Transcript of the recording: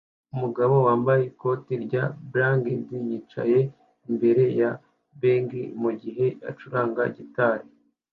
Umugabo wambaye ikoti rya burgundy yicaye imbere ya beige mugihe acuranga gitari